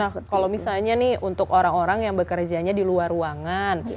nah kalau misalnya nih untuk orang orang yang bekerjanya di luar ruangan